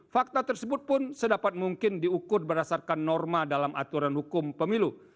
fakta tersebut pun sedapat mungkin diukur berdasarkan norma dalam aturan hukum pemilu